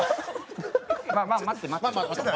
まあまあ待って待って。